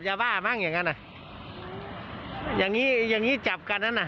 จ่ายไปเดี๋ยว